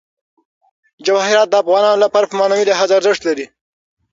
جواهرات د افغانانو لپاره په معنوي لحاظ ارزښت لري.